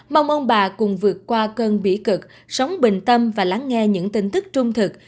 mong ông bà cùng vượt qua cơn bỉ cực sống bình tâm và lắng nghe những tin tức trung thực